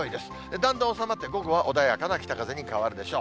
だんだん収まって午後は穏やかな北風に変わるでしょう。